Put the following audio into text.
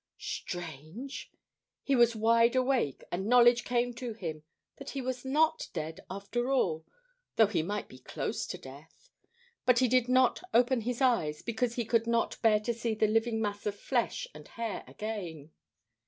Strange! He was wide awake, and knowledge came to him that he was not dead, after all, though he might be close to death. But he did not open his eyes, because he could not bear to see the living mass of flesh and hair again.